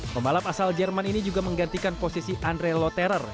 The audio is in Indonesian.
pembalap asal jerman ini juga menggantikan posisi andre loterer